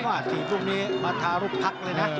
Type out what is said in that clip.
ก็อาจที่รูปนี้มาทารูปพักเลยนะ